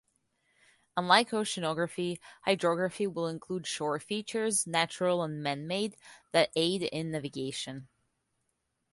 Unlike oceanography, hydrography will include shore features, natural and manmade, that aid in navigation.